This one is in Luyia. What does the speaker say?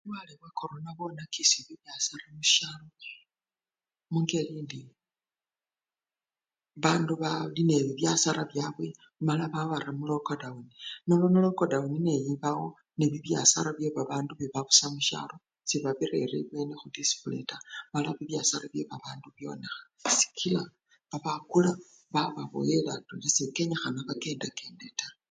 Bulwale bwa corona bwonakisha bibyasara mushao mungeli indi bandu bali nebibyasara byabwe mala babara mulokodawuni mala lokodawuni nebaawo ne bibyasara byebabandu bibabusa mushalo sebabirera ebweni hudisplay taa amala bibyasara byebabandu byoneha sikila babakula bababoyele atwela sekenyihana bakendakende taa